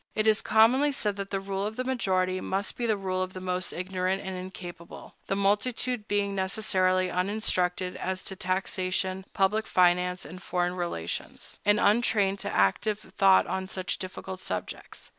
It is commonly said that the rule of the majority must be the rule of the most ignorant and incapable, the multitude being necessarily uninstructed as to taxation, public finance, and foreign relations, and untrained to active thought on such difficult subjects.